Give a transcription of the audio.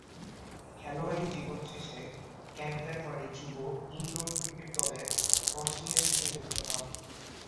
খেলোয়াড়ী জীবন শেষে ক্যান্টারবারি যুব ইনডোর ক্রিকেট দলে কোচিংয়ের সাথে সম্পৃক্ত হন।